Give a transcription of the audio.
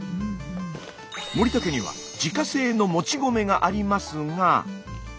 森田家には自家製のもち米がありますが。